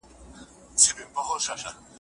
که په ښوونځي کي صداقت وي نو باور پیدا کيږي.